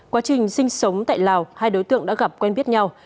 quá trình sinh sống tại lào hai đối tượng đã gặp quen biết nhau